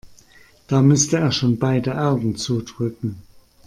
Da müsste er schon beide Augen zudrücken.